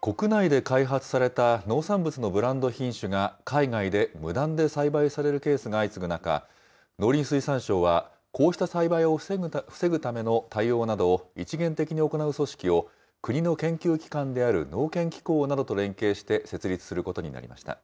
国内で開発された農産物のブランド品種が海外で無断で栽培されるケースが相次ぐ中、農林水産省はこうした栽培を防ぐための対応などを一元的に行う組織を、国の研究機関である農研機構などと連携して設立することになりました。